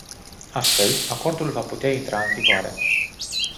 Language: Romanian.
Astfel, acordul va putea intra în vigoare.